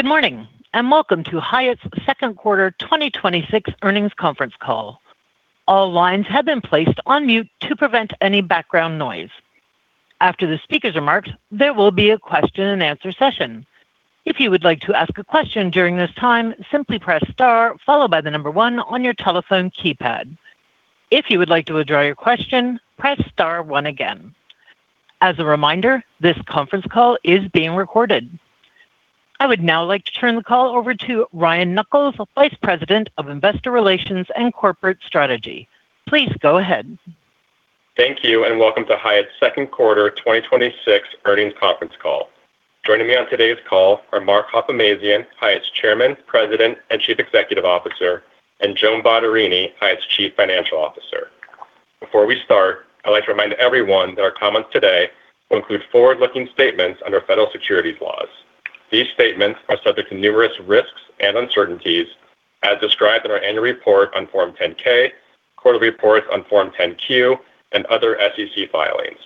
Good morning, welcome to Hyatt's second quarter 2026 earnings conference call. All lines have been placed on mute to prevent any background noise. After the speaker's remarks, there will be a question-and-answer session. If you would like to ask a question during this time, simply press star, followed by the number one on your telephone keypad. If you would like to withdraw your question, press star one again. As a reminder, this conference call is being recorded. I would now like to turn the call over to Ryan Nuckols, Vice President of Investor Relations and Corporate Strategy. Please go ahead. Thank you, welcome to Hyatt's second quarter 2026 earnings conference call. Joining me on today's call are Mark Hoplamazian, Hyatt's Chairman, President, and Chief Executive Officer, and Joan Bottarini, Hyatt's Chief Financial Officer. Before we start, I'd like to remind everyone that our comments today will include forward-looking statements under federal securities laws. These statements are subject to numerous risks and uncertainties as described in our annual report on Form 10-K, quarterly reports on Form 10-Q, and other SEC filings.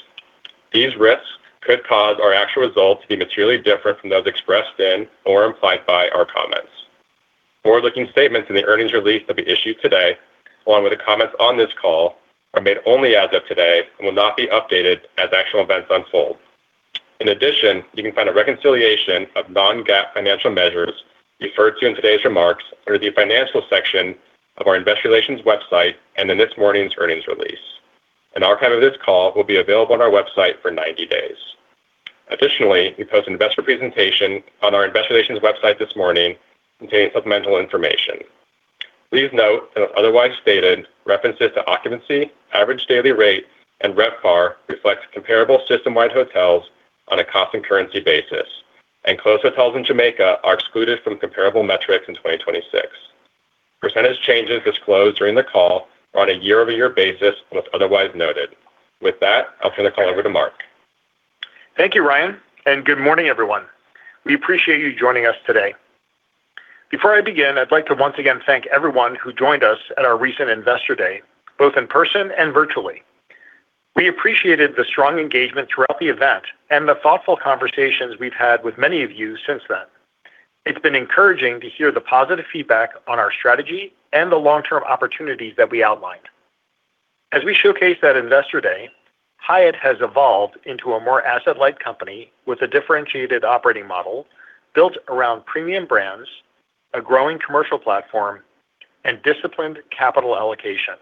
These risks could cause our actual results to be materially different from those expressed in or implied by our comments. Forward-looking statements in the earnings release that we issued today, along with the comments on this call, are made only as of today and will not be updated as actual events unfold. You can find a reconciliation of non-GAAP financial measures referred to in today's remarks under the Financial section of our Investor Relations website and in this morning's earnings release. An archive of this call will be available on our website for 90 days. Additionally, we posted an investor presentation on our Investor Relations website this morning containing supplemental information. Please note, unless otherwise stated, references to occupancy, average daily rate, and RevPAR reflects comparable system-wide hotels on a constant currency basis. Closed hotels in Jamaica are excluded from comparable metrics in 2026. Percentage changes disclosed during the call are on a year-over-year basis, unless otherwise noted. With that, I'll turn the call over to Mark. Thank you, Ryan Nuckols, good morning, everyone. We appreciate you joining us today. Before I begin, I'd like to once again thank everyone who joined us at our recent Investor Day, both in person and virtually. We appreciated the strong engagement throughout the event and the thoughtful conversations we've had with many of you since then. It's been encouraging to hear the positive feedback on our strategy and the long-term opportunities that we outlined. As we showcased at Investor Day, Hyatt has evolved into a more asset-light company with a differentiated operating model built around premium brands, a growing commercial platform, and disciplined capital allocation.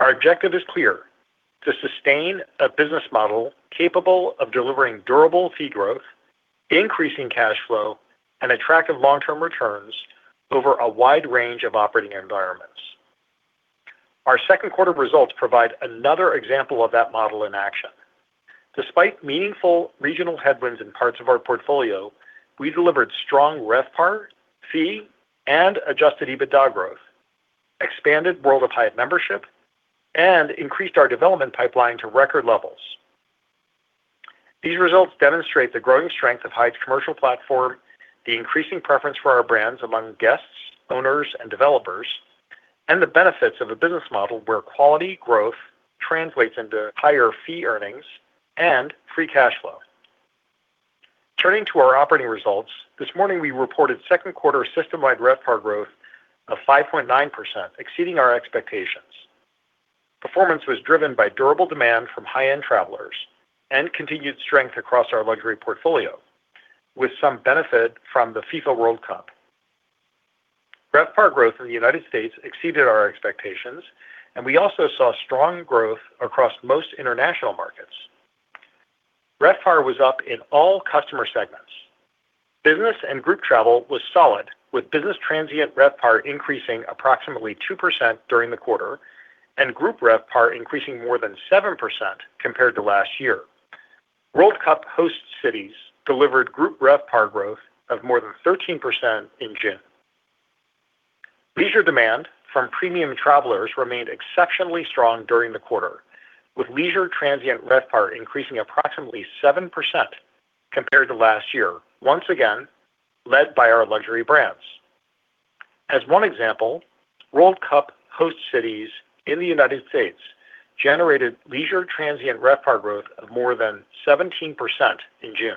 Our objective is clear: to sustain a business model capable of delivering durable fee growth, increasing cash flow, and attractive long-term returns over a wide range of operating environments. Our second quarter results provide another example of that model in action. Despite meaningful regional headwinds in parts of our portfolio, we delivered strong RevPAR, fee, and adjusted EBITDA growth, expanded World of Hyatt membership, and increased our development pipeline to record levels. These results demonstrate the growing strength of Hyatt's commercial platform, the increasing preference for our brands among guests, owners, and developers, and the benefits of a business model where quality growth translates into higher fee earnings and free cash flow. Turning to our operating results, this morning we reported second quarter system-wide RevPAR growth of 5.9%, exceeding our expectations. Performance was driven by durable demand from high-end travelers and continued strength across our luxury portfolio, with some benefit from the FIFA World Cup. RevPAR growth in the U.S. exceeded our expectations, and we also saw strong growth across most international markets. RevPAR was up in all customer segments. Business and group travel was solid, with business transient RevPAR increasing approximately 2% during the quarter and group RevPAR increasing more than 7% compared to last year. World Cup host cities delivered group RevPAR growth of more than 13% in June. Leisure demand from premium travelers remained exceptionally strong during the quarter, with leisure transient RevPAR increasing approximately 7% compared to last year, once again, led by our luxury brands. As one example, World Cup host cities in the United States generated leisure transient RevPAR growth of more than 17% in June.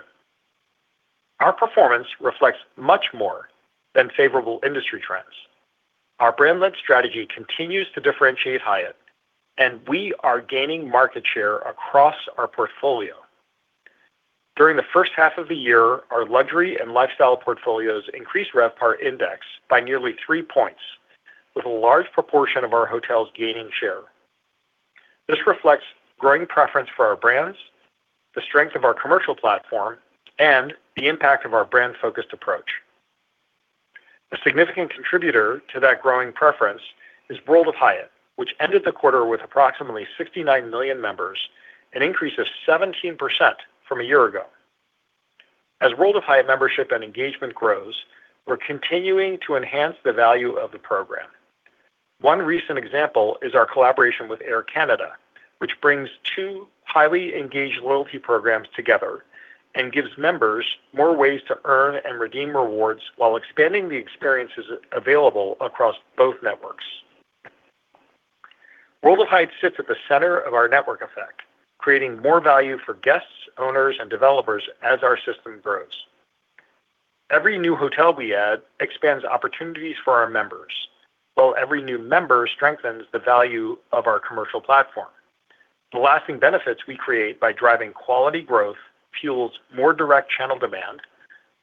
Our performance reflects much more than favorable industry trends. Our brand-led strategy continues to differentiate Hyatt, and we are gaining market share across our portfolio. During the first half of the year, our luxury and lifestyle portfolios increased RevPAR index by nearly three points, with a large proportion of our hotels gaining share. This reflects growing preference for our brands, the strength of our commercial platform, and the impact of our brand-focused approach. A significant contributor to that growing preference is World of Hyatt, which ended the quarter with approximately 69 million members, an increase of 17% from a year ago. As World of Hyatt membership and engagement grows, we are continuing to enhance the value of the program. One recent example is our collaboration with Air Canada, which brings two highly engaged loyalty programs together and gives members more ways to earn and redeem rewards while expanding the experiences available across both networks. World of Hyatt sits at the center of our network effect, creating more value for guests, owners, and developers as our system grows. Every new hotel we add expands opportunities for our members, while every new member strengthens the value of our commercial platform. The lasting benefits we create by driving quality growth fuels more direct channel demand,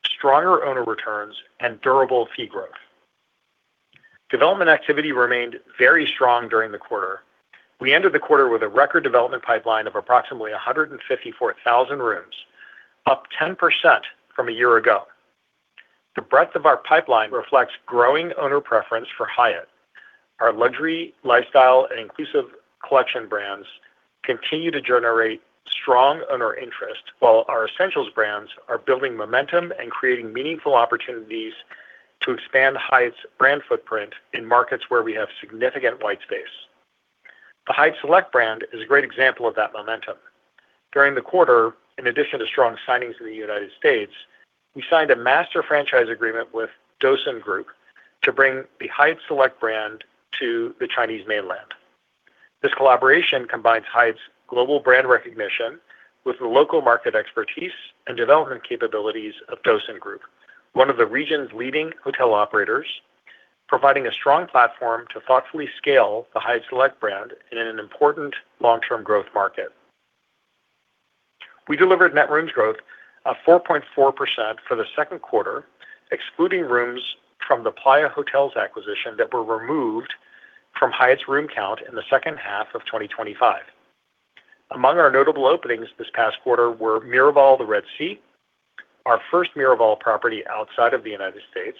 stronger owner returns, and durable fee growth. Development activity remained very strong during the quarter. We ended the quarter with a record development pipeline of approximately 154,000 rooms, up 10% from a year ago. The breadth of our pipeline reflects growing owner preference for Hyatt. Our luxury lifestyle and inclusive collection brands continue to generate strong owner interest, while our essentials brands are building momentum and creating meaningful opportunities to expand Hyatt's brand footprint in markets where we have significant white space. The Hyatt Select brand is a great example of that momentum. During the quarter, in addition to strong signings in the United States, we signed a master franchise agreement with Dossen Group to bring the Hyatt Select brand to the Chinese mainland. This collaboration combines Hyatt's global brand recognition with the local market expertise and development capabilities of Dossen Group, one of the region's leading hotel operators, providing a strong platform to thoughtfully scale the Hyatt Select brand in an important long-term growth market. We delivered Net Rooms Growth of 4.4% for the second quarter, excluding rooms from the Playa Hotels acquisition that were removed from Hyatt's room count in the second half of 2025. Among our notable openings this past quarter were Miraval, the Red Sea, our first Miraval property outside of the United States,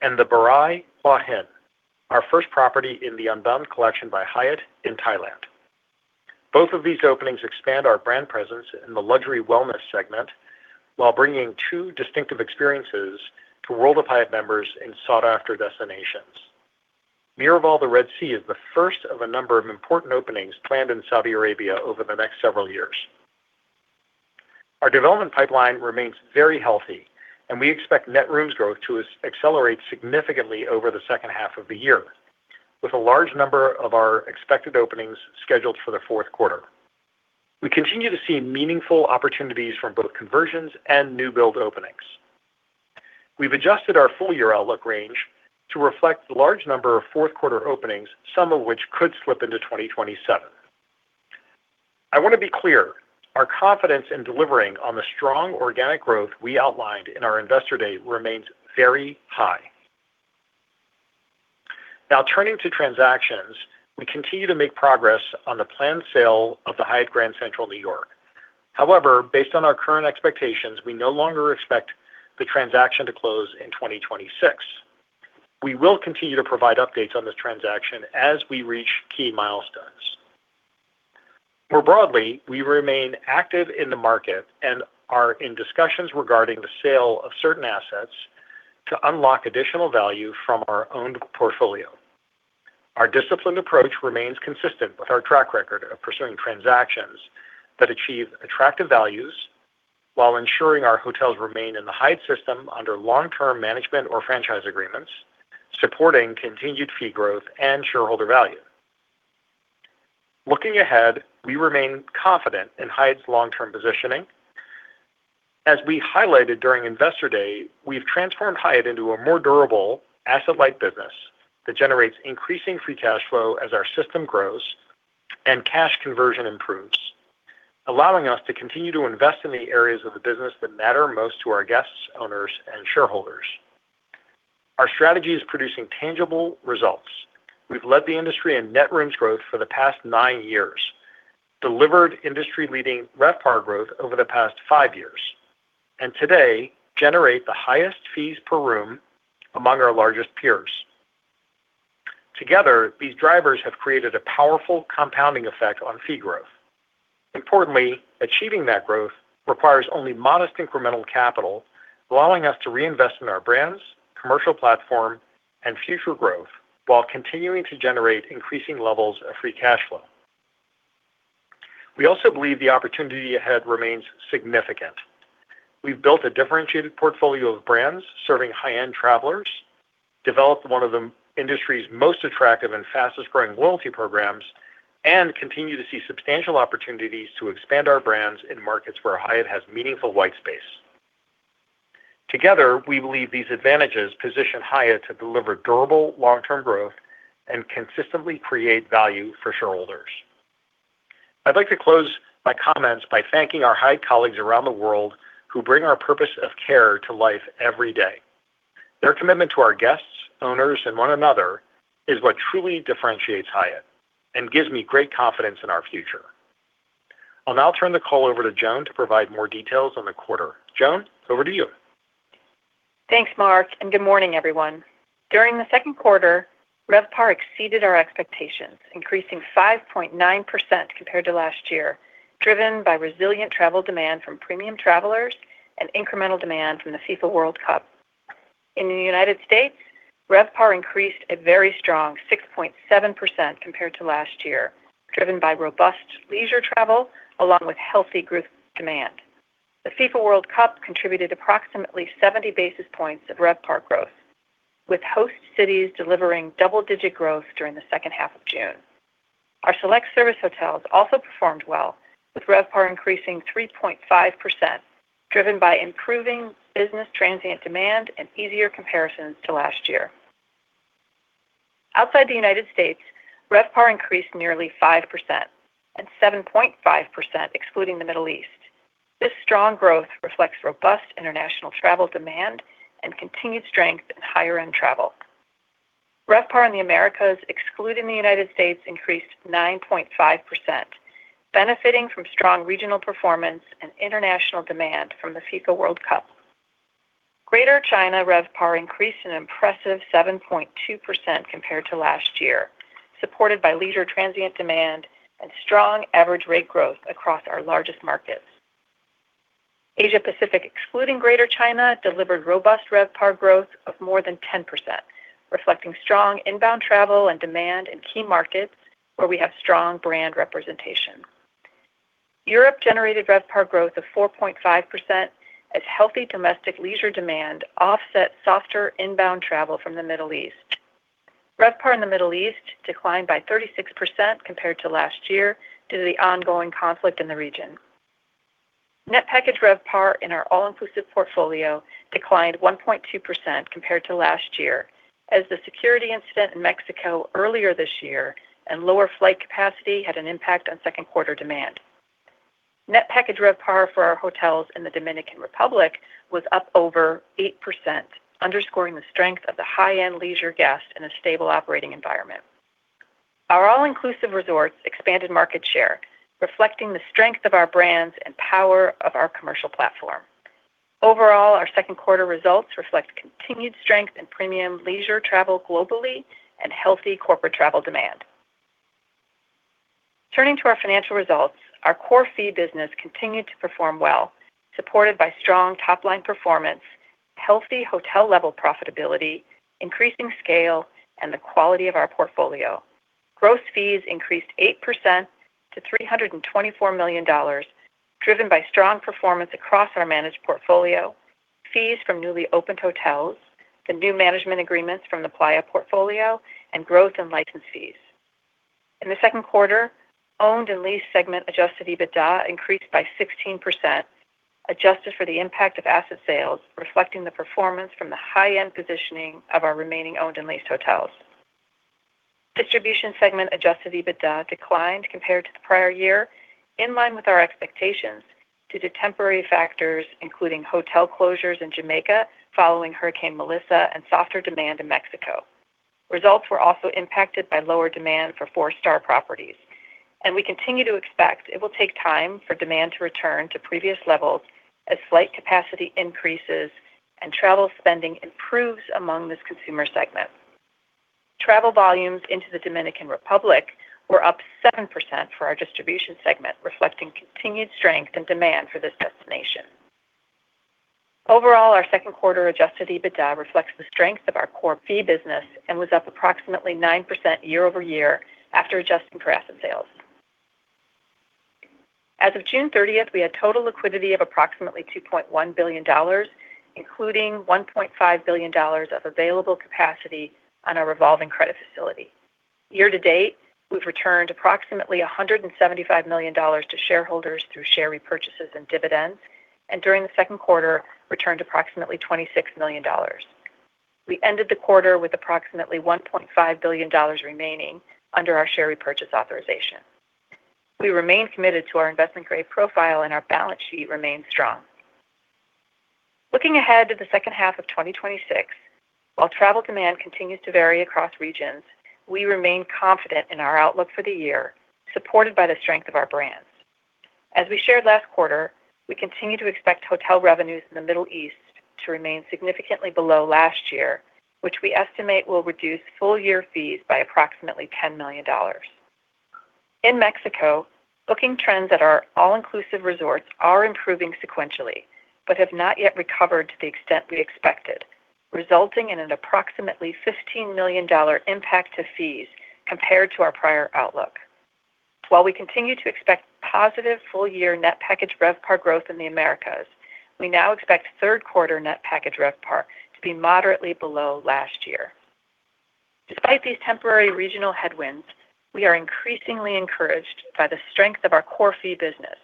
and THE BARAI Hua Hin, our first property in The Unbound Collection by Hyatt in Thailand. Both of these openings expand our brand presence in the luxury wellness segment while bringing two distinctive experiences to World of Hyatt members in sought-after destinations. Miraval, the Red Sea, is the first of a number of important openings planned in Saudi Arabia over the next several years. Our development pipeline remains very healthy, and we expect Net Rooms Growth to accelerate significantly over the second half of the year, with a large number of our expected openings scheduled for the fourth quarter. We continue to see meaningful opportunities from both conversions and new build openings. We've adjusted our full-year outlook range to reflect the large number of fourth quarter openings, some of which could slip into 2027. I want to be clear, our confidence in delivering on the strong organic growth we outlined in our Investor Day remains very high. Now turning to transactions, we continue to make progress on the planned sale of the Hyatt Grand Central New York. However, based on our current expectations, we no longer expect the transaction to close in 2026. We will continue to provide updates on this transaction as we reach key milestones. More broadly, we remain active in the market and are in discussions regarding the sale of certain assets to unlock additional value from our owned portfolio. Our disciplined approach remains consistent with our track record of pursuing transactions that achieve attractive values while ensuring our hotels remain in the Hyatt system under long-term management or franchise agreements, supporting continued fee growth and shareholder value. Looking ahead, we remain confident in Hyatt's long-term positioning. As we highlighted during Investor Day, we've transformed Hyatt into a more durable asset-light business that generates increasing free cash flow as our system grows and cash conversion improves, allowing us to continue to invest in the areas of the business that matter most to our guests, owners, and shareholders. Our strategy is producing tangible results. We've led the industry in Net Rooms Growth for the past nine years, delivered industry-leading RevPAR growth over the past five years, and today generate the highest fees per room among our largest peers. Together, these drivers have created a powerful compounding effect on fee growth. Importantly, achieving that growth requires only modest incremental capital, allowing us to reinvest in our brands, commercial platform, and future growth while continuing to generate increasing levels of free cash flow. We also believe the opportunity ahead remains significant. We've built a differentiated portfolio of brands serving high-end travelers, developed one of the industry's most attractive and fastest-growing loyalty programs, and continue to see substantial opportunities to expand our brands in markets where Hyatt has meaningful white space. Together, we believe these advantages position Hyatt to deliver durable long-term growth and consistently create value for shareholders. I'd like to close my comments by thanking our Hyatt colleagues around the world who bring our purpose of care to life every day. Their commitment to our guests, owners, and one another is what truly differentiates Hyatt and gives me great confidence in our future. I'll now turn the call over to Joan to provide more details on the quarter. Joan, over to you. Thanks, Mark, and good morning, everyone. During the second quarter, RevPAR exceeded our expectations, increasing 5.9% compared to last year, driven by resilient travel demand from premium travelers and incremental demand from the FIFA World Cup. In the United States, RevPAR increased a very strong 6.7% compared to last year, driven by robust leisure travel along with healthy group demand. The FIFA World Cup contributed approximately 70 basis points of RevPAR growth, with host cities delivering double-digit growth during the second half of June. Our select service hotels also performed well, with RevPAR increasing 3.5%, driven by improving business transient demand and easier comparisons to last year. Outside the United States, RevPAR increased nearly 5%, and 7.5% excluding the Middle East. This strong growth reflects robust international travel demand and continued strength in higher-end travel. RevPAR in the Americas, excluding the United States, increased 9.5%, benefiting from strong regional performance and international demand from the FIFA World Cup. Greater China RevPAR increased an impressive 7.2% compared to last year, supported by leisure transient demand and strong average rate growth across our largest markets. Asia Pacific, excluding Greater China, delivered robust RevPAR growth of more than 10%, reflecting strong inbound travel and demand in key markets where we have strong brand representation. Europe generated RevPAR growth of 4.5% as healthy domestic leisure demand offset softer inbound travel from the Middle East. RevPAR in the Middle East declined by 36% compared to last year due to the ongoing conflict in the region. Net Package RevPAR in our all-inclusive portfolio declined 1.2% compared to last year, as the security incident in Mexico earlier this year and lower flight capacity had an impact on second quarter demand. Net Package RevPAR for our hotels in the Dominican Republic was up over 8%, underscoring the strength of the high-end leisure guest in a stable operating environment. Our all-inclusive resorts expanded market share, reflecting the strength of our brands and power of our commercial platform. Overall, our second quarter results reflect continued strength in premium leisure travel globally and healthy corporate travel demand. Turning to our financial results, our core fee business continued to perform well, supported by strong top-line performance, healthy hotel-level profitability, increasing scale, and the quality of our portfolio. Gross fees increased 8% to $324 million, driven by strong performance across our managed portfolio, fees from newly opened hotels, the new management agreements from the Playa portfolio, and growth in license fees. In the second quarter, owned and leased segment adjusted EBITDA increased by 16%, adjusted for the impact of asset sales, reflecting the performance from the high-end positioning of our remaining owned and leased hotels. Distribution segment adjusted EBITDA declined compared to the prior year, in line with our expectations, due to temporary factors including hotel closures in Jamaica following Hurricane Melissa and softer demand in Mexico. Results were also impacted by lower demand for four-star properties, and we continue to expect it will take time for demand to return to previous levels as flight capacity increases and travel spending improves among this consumer segment. Travel volumes into the Dominican Republic were up 7% for our distribution segment, reflecting continued strength in demand for this destination. Overall, our second quarter adjusted EBITDA reflects the strength of our core fee business and was up approximately 9% year-over-year after adjusting for asset sales. As of June 30th, we had total liquidity of approximately $2.1 billion, including $1.5 billion of available capacity on our revolving credit facility. Year to date, we've returned approximately $175 million to shareholders through share repurchases and dividends, and during the second quarter, returned approximately $26 million. We ended the quarter with approximately $1.5 billion remaining under our share repurchase authorization. We remain committed to our investment-grade profile, and our balance sheet remains strong. Looking ahead to the second half of 2026, while travel demand continues to vary across regions, we remain confident in our outlook for the year, supported by the strength of our brands. As we shared last quarter, we continue to expect hotel revenues in the Middle East to remain significantly below last year, which we estimate will reduce full-year fees by approximately $10 million. In Mexico, booking trends at our all-inclusive resorts are improving sequentially, but have not yet recovered to the extent we expected, resulting in an approximately $15 million impact to fees compared to our prior outlook. While we continue to expect positive full-year Net Package RevPAR growth in the Americas, we now expect third quarter Net Package RevPAR to be moderately below last year. Despite these temporary regional headwinds, we are increasingly encouraged by the strength of our core fee business.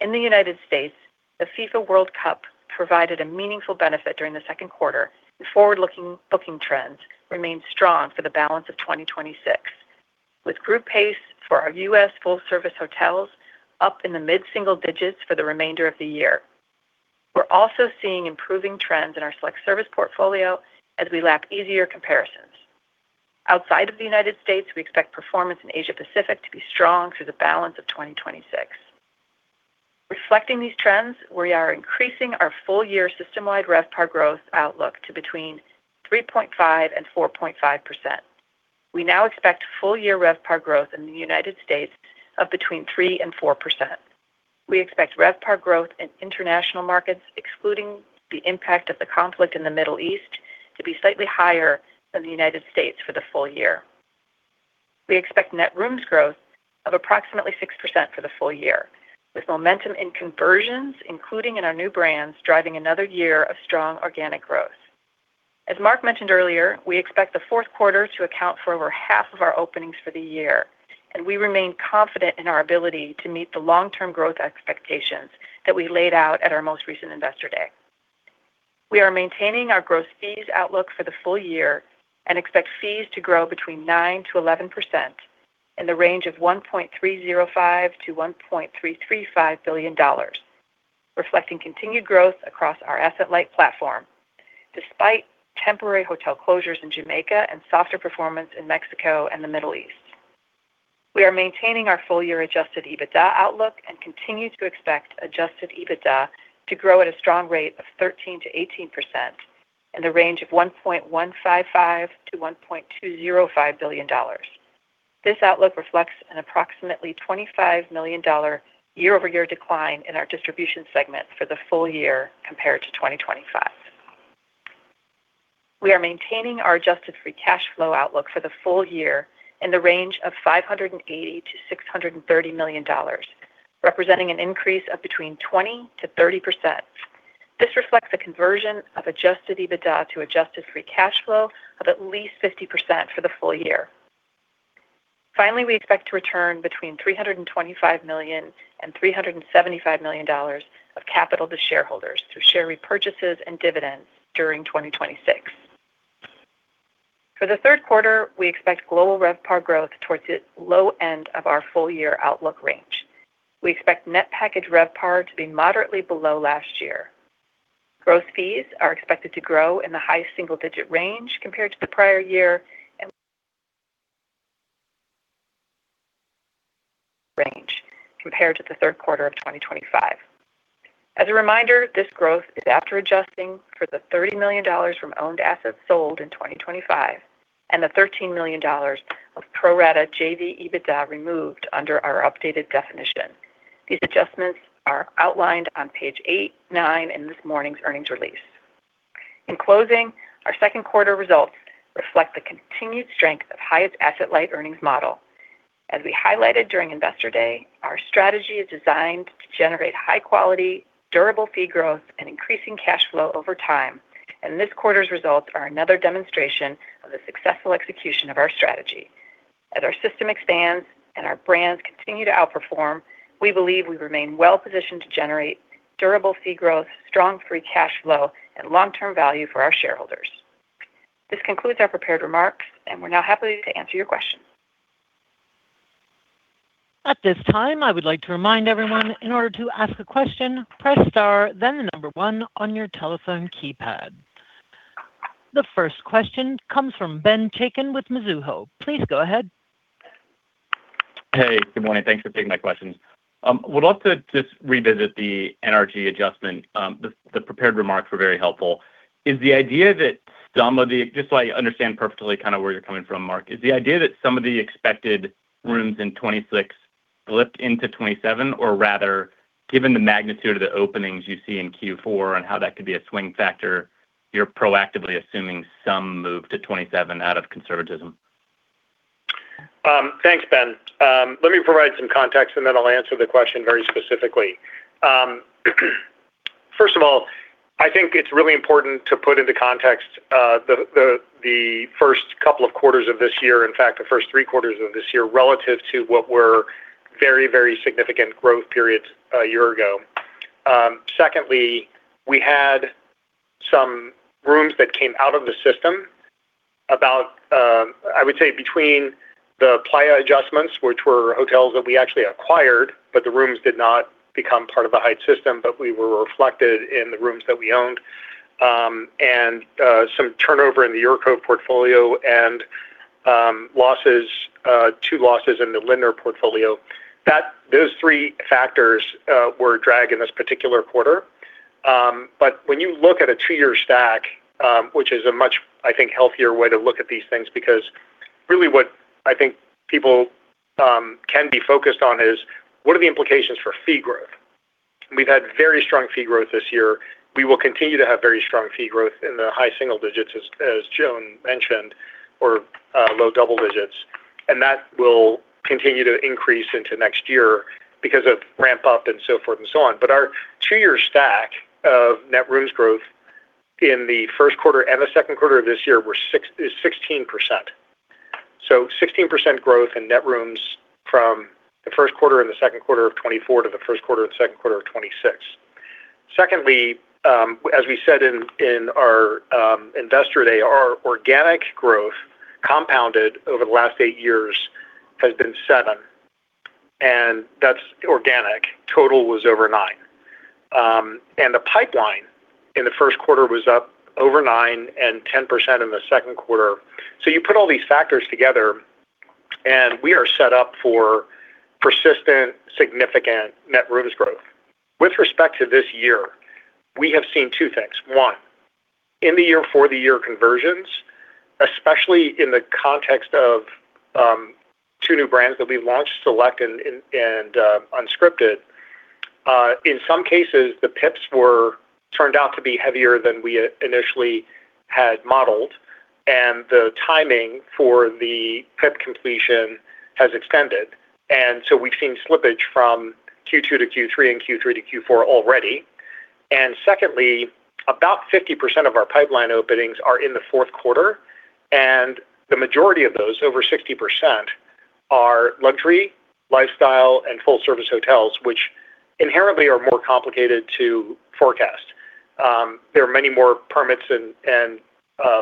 In the United States, the FIFA World Cup provided a meaningful benefit during the second quarter, and forward-looking booking trends remain strong for the balance of 2026, with group pace for our U.S. full-service hotels up in the mid-single-digits for the remainder of the year. We're also seeing improving trends in our select service portfolio as we lap easier comparisons. Outside of the United States, we expect performance in Asia Pacific to be strong through the balance of 2026. Reflecting these trends, we are increasing our full-year system-wide RevPAR growth outlook to between 3.5%-4.5%. We now expect full-year RevPAR growth in the United States of between 3%-4%. We expect RevPAR growth in international markets, excluding the impact of the conflict in the Middle East, to be slightly higher than the United States for the full-year. We expect Net Rooms Growth of approximately 6% for the full year, with momentum in conversions, including in our new brands, driving another year of strong organic growth. As Mark mentioned earlier, we expect the fourth quarter to account for over half of our openings for the year, and we remain confident in our ability to meet the long-term growth expectations that we laid out at our most recent Investor Day. We are maintaining our gross fees outlook for the full year and expect fees to grow between 9%-11% in the range of $1.305 billion-$1.335 billion, reflecting continued growth across our asset-light platform, despite temporary hotel closures in Jamaica and softer performance in Mexico and the Middle East. We are maintaining our full-year adjusted EBITDA outlook and continue to expect adjusted EBITDA to grow at a strong rate of 13%-18% in the range of $1.155 billion-$1.205 billion. This outlook reflects an approximately $25 million year-over-year decline in our distribution segment for the full year compared to 2025. We are maintaining our adjusted free cash flow outlook for the full year in the range of $580 million-$630 million, representing an increase of between 20%-30%. This reflects a conversion of adjusted EBITDA to adjusted free cash flow of at least 50% for the full year. Finally, we expect to return between $325 million and $375 million of capital to shareholders through share repurchases and dividends during 2026. For the third quarter, we expect global RevPAR growth towards the low end of our full-year outlook range. We expect Net Package RevPAR to be moderately below last year. Gross fees are expected to grow in the high single-digit range compared to the prior year and range compared to the third quarter of 2025. As a reminder, this growth is after adjusting for the $30 million from owned assets sold in 2025 and the $13 million of pro-rata JV EBITDA removed under our updated definition. These adjustments are outlined on page eight, nine in this morning's earnings release. In closing, our second quarter results reflect the continued strength of Hyatt's asset-light earnings model. As we highlighted during Investor Day, our strategy is designed to generate high-quality, durable fee growth and increasing cash flow over time, and this quarter's results are another demonstration of the successful execution of our strategy. As our system expands and our brands continue to outperform, we believe we remain well positioned to generate durable fee growth, strong free cash flow, and long-term value for our shareholders. We're now happy to answer your questions. At this time, I would like to remind everyone, in order to ask a question, press star then the number on your telephone keypad. The first question comes from Ben Chaiken with Mizuho. Please go ahead. Hey, good morning. Thanks for taking my questions. Would love to just revisit the NRG adjustment. The prepared remarks were very helpful. Just so I understand perfectly where you're coming from, Mark, is the idea that some of the expected rooms in 2026 slipped into 2027, or rather, given the magnitude of the openings you see in Q4 and how that could be a swing factor, you're proactively assuming some move to 2027 out of conservatism? Thanks, Ben. Let me provide some context, then I'll answer the question very specifically. First of all, I think it's really important to put into context the first couple of quarters of this year, in fact, the first three quarters of this year, relative to what were very significant growth periods a year ago. Secondly, we had some rooms that came out of the system. I would say between the Playa adjustments, which were hotels that we actually acquired, but the rooms did not become part of the Hyatt system, but we were reflected in the rooms that we owned, and some turnover in the UrCove portfolio and two losses in the Lindner portfolio. Those three factors were a drag in this particular quarter. When you look at a two-year stack, which is a much, I think, healthier way to look at these things, because really what I think people can be focused on is what are the implications for fee growth? We've had very strong fee growth this year. We will continue to have very strong fee growth in the high single digits, as Joan mentioned, or low double digits, and that will continue to increase into next year because of ramp up and so forth and so on. But our two-year stack of Net Rooms Growth in the first quarter and the second quarter of this year is 16%. So 16% growth in net rooms from the first quarter and the second quarter of 2024 to the first quarter and the second quarter of 2026. Secondly, as we said in our Investor Day, our organic growth compounded over the last eight years has been 7%, and that's organic. Total was over nine. The pipeline in the first quarter was up over 9% and 10% in the second quarter. You put all these factors together, and we are set up for persistent, significant Net Rooms Growth. With respect to this year, we have seen two things. One, in the year for the year conversions, especially in the context of two new brands that we've launched, Hyatt Select and Unscripted by Hyatt. In some cases, the PIPs turned out to be heavier than we initially had modeled, and the timing for the PIP completion has extended. We've seen slippage from Q2 to Q3 and Q3 to Q4 already. Secondly, about 50% of our pipeline openings are in the fourth quarter, and the majority of those, over 60%, are luxury, lifestyle, and full-service hotels, which inherently are more complicated to forecast. There are many more permits and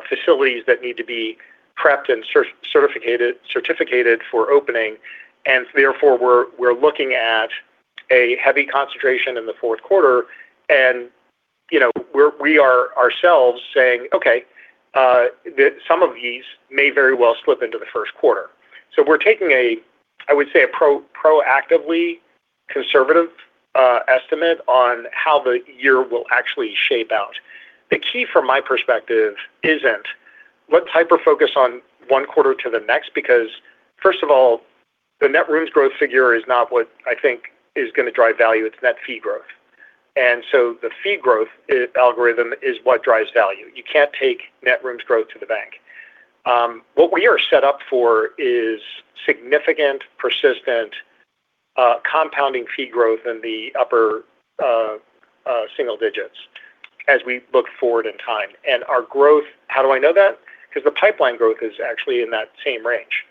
facilities that need to be prepped and certificated for opening. Therefore, we're looking at a heavy concentration in the fourth quarter, and we are ourselves saying, "Okay, some of these may very well slip into the first quarter." We're taking, I would say, a proactively conservative estimate on how the year will actually shape out. The key from my perspective isn't let's hyper-focus on one quarter to the next, because first of all, the Net Rooms Growth figure is not what I think is going to drive value, it's net fee growth. The fee growth algorithm is what drives value. You can't take Net Rooms Growth to the bank. What we are set up for is significant, persistent compounding fee growth in the upper single digits as we look forward in time. Our growth, how do I know that? Because the pipeline growth is actually in that same range.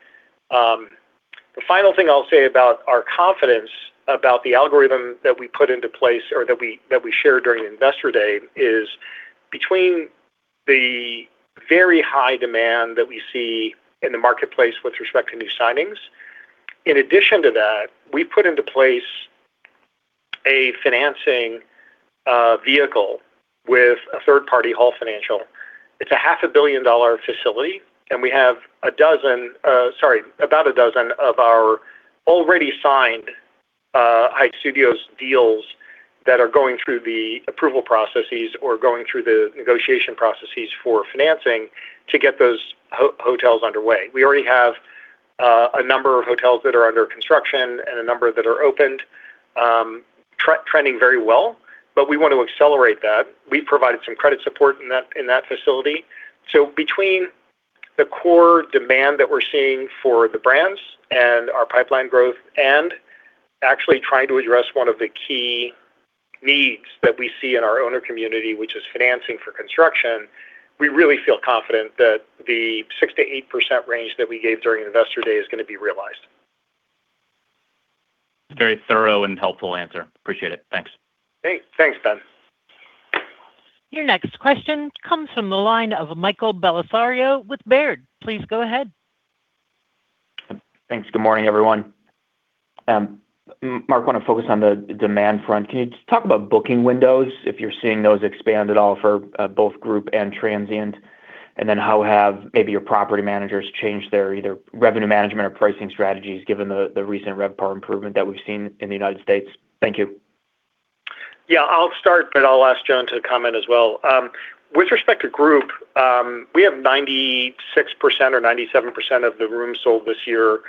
The final thing I'll say about our confidence about the algorithm that we put into place, or that we shared during Investor Day, is between the very high demand that we see in the marketplace with respect to new signings, in addition to that, we put into place a financing vehicle with a third party, Hall Financial. It's a half a billion dollar facility, and we have about a dozen of our already signed Hyatt Studios deals that are going through the approval processes or going through the negotiation processes for financing to get those hotels underway. We already have a number of hotels that are under construction and a number that are opened, trending very well, but we want to accelerate that. We've provided some credit support in that facility. Between the core demand that we're seeing for the brands and our pipeline growth, and actually trying to address one of the key needs that we see in our owner community, which is financing for construction, we really feel confident that the 6%-8% range that we gave during Investor Day is going to be realized. Very thorough and helpful answer. Appreciate it. Thanks. Great. Thanks, Ben. Your next question comes from the line of Michael Bellisario with Baird. Please go ahead. Thanks. Good morning, everyone. Mark, want to focus on the demand front. Can you just talk about booking windows, if you're seeing those expand at all for both group and transient? How have maybe your property managers changed their either revenue management or pricing strategies given the recent RevPAR improvement that we've seen in the United States? Thank you. I'll start, but I'll ask Joan to comment as well. With respect to group, we have 96% or 97% of the rooms sold this year,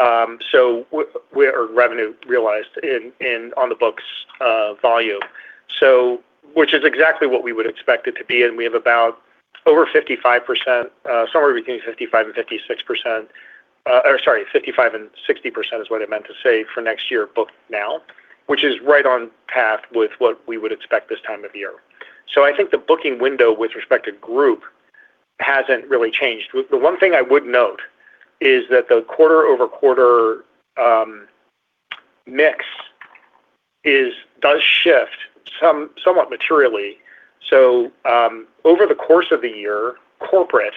or revenue realized on the books volume. Which is exactly what we would expect it to be, and we have about over 55%, somewhere between 55% and 56% or sorry, 55% and 60% is what I meant to say, for next year booked now, which is right on path with what we would expect this time of year. I think the booking window with respect to group hasn't really changed. The one thing I would note is that the quarter-over-quarter mix does shift somewhat materially. Over the course of the year, corporate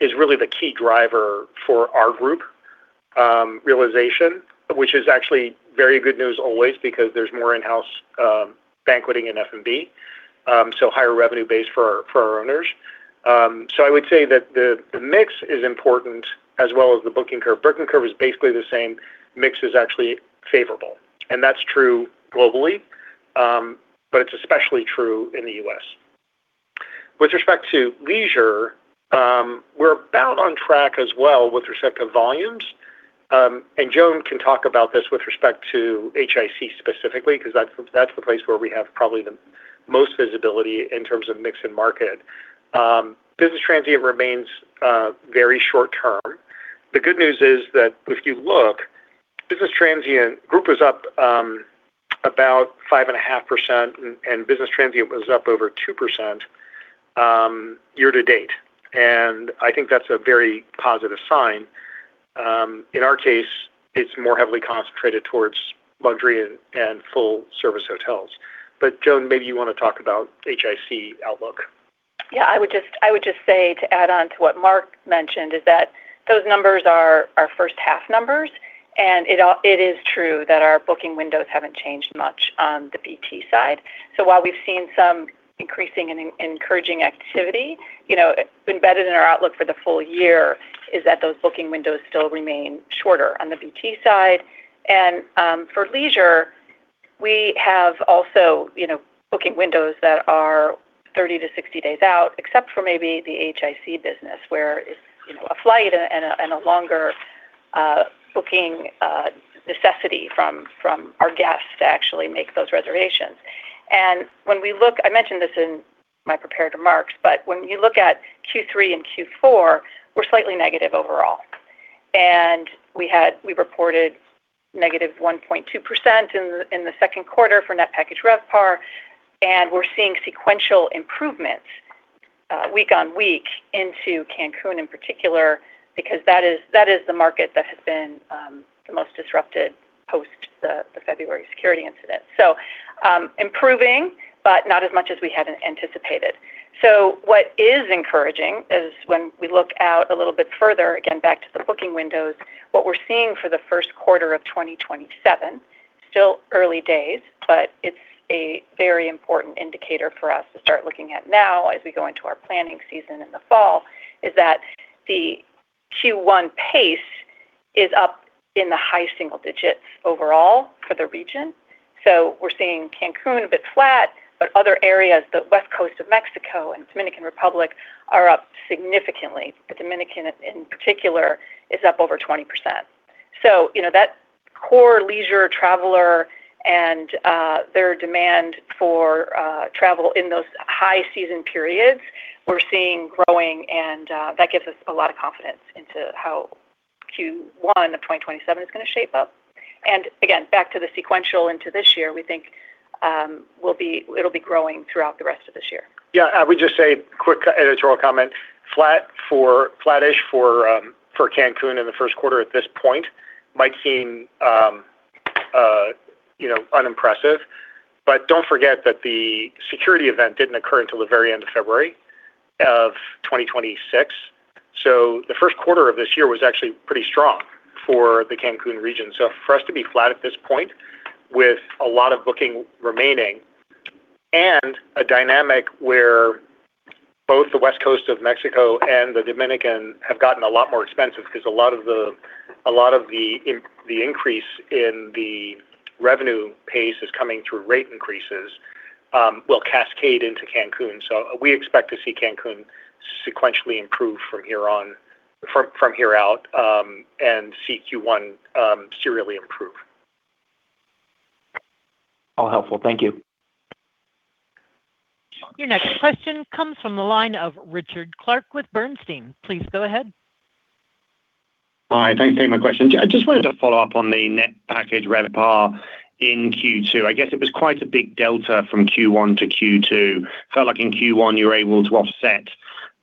is really the key driver for our group realization, which is actually very good news always because there's more in-house banqueting in F&B, so higher revenue base for our owners. I would say that the mix is important as well as the booking curve. Booking curve is basically the same, mix is actually favorable. That's true globally, but it's especially true in the U.S. With respect to leisure, we're about on track as well with respect to volumes. Joan can talk about this with respect to IAH specifically, because that's the place where we have probably the most visibility in terms of mix and market. Business transient remains very short term. The good news is that if you look, group was up about 5.5% and business transient was up over 2% year-to-date. I think that's a very positive sign. In our case, it's more heavily concentrated towards luxury and full-service hotels. Joan, maybe you want to talk about IAH outlook. I would just say to add on to what Mark mentioned, is that those numbers are our first half numbers, and it is true that our booking windows haven't changed much on the BT side. While we've seen some increasing and encouraging activity, embedded in our outlook for the full year is that those booking windows still remain shorter on the BT side. For leisure, we have also booking windows that are 30-60 days out, except for maybe the IAH business where it's a flight and a longer booking necessity from our guests to actually make those reservations. I mentioned this in my prepared remarks, but when you look at Q3 and Q4, we're slightly negative overall. We reported negative 1.2% in the second quarter for Net Package RevPAR, we're seeing sequential improvements week-on-week into Cancun in particular, because that is the market that has been the most disrupted post the February security incident. Improving, but not as much as we had anticipated. What is encouraging is when we look out a little bit further, again, back to the booking windows, what we're seeing for the first quarter of 2027, still early days, but it's a very important indicator for us to start looking at now as we go into our planning season in the fall, is that the Q1 pace is up in the high single digits overall for the region. We're seeing Cancun a bit flat, but other areas, the west coast of Mexico and Dominican Republic are up significantly. The Dominican in particular is up over 20%. That core leisure traveler and their demand for travel in those high season periods, we're seeing growing, and that gives us a lot of confidence into how Q1 of 2027 is going to shape up. Again, back to the sequential into this year, we think it'll be growing throughout the rest of this year. Yeah. I would just say, quick editorial comment, flattish for Cancun in the first quarter at this point might seem unimpressive, but don't forget that the security event didn't occur until the very end of February of 2026. The first quarter of this year was actually pretty strong for the Cancun region. For us to be flat at this point with a lot of booking remaining and a dynamic where both the west coast of Mexico and the Dominican have gotten a lot more expensive because a lot of the increase in the revenue pace is coming through rate increases will cascade into Cancun. We expect to see Cancun sequentially improve from here out, and see Q1 serially improve. All helpful. Thank you. Your next question comes from the line of Richard Clarke with Bernstein. Please go ahead. Hi. Thanks for taking my question. I just wanted to follow up on the Net Package RevPAR in Q2. I guess it was quite a big delta from Q1 to Q2. Felt like in Q1 you were able to offset